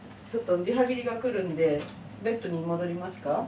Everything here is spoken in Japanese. ちょっとリハビリが来るんでベッドに戻りますか？